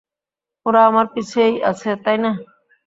ওরা আমার পিছেই আছে, তাই না?